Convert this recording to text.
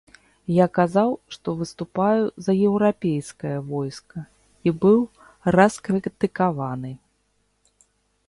Я казаў, што выступаю за еўрапейскае войска, і быў раскрытыкаваны.